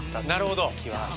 なるほど。